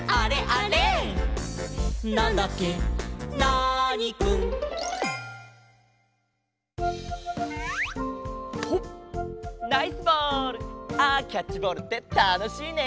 あキャッチボールってたのしいね。